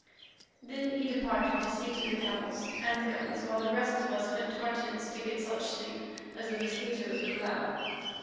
Then he departed to see to the camels and the guns while the rest of us went to our tents to get such sleep as the mosquitoes would allow.